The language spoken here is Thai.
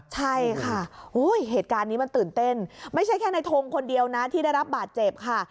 ใช่ค่ะเหตุการณ์นี้มันตื่นเต้นไม่ใช่แค่ในทงคนเดียวนะที่ได้รับบาดเจ็บค่ะ